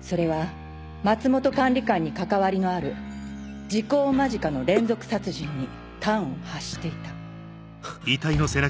それは松本管理官に関わりのある時効間近の連続殺人に端を発していたハッ！